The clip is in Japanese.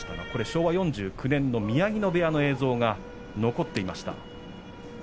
昭和４９年の宮城野部屋の映像が残っていました。